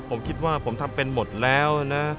ผมคิดว่าผมทำเป็นหมดแล้วนะ